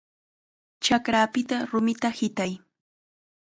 ¡Chakrapita rumita hitay!